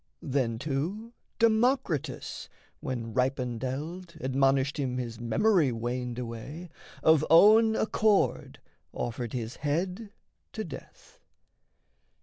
Then, too, Democritus, when ripened eld Admonished him his memory waned away, Of own accord offered his head to death.